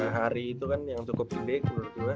hari itu kan yang cukup pendek